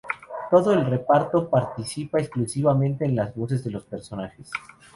Todo el reparto participa exclusivamente en las voces de los personajes.